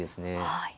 はい。